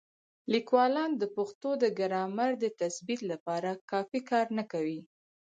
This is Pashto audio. لیکوالان د پښتو د ګرامر د تثبیت لپاره کافي کار نه کوي.